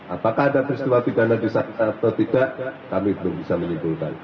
apakah ada peristiwa pidana di sana atau tidak kami belum bisa menyimpulkan